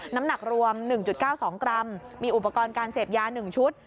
น้ำหนักรวม๑๙๒กรัมมีอุปกรณ์การเสพยา๑ชุด